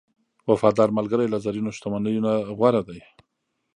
وفادار ملګری له زرینو شتمنیو نه غوره دی.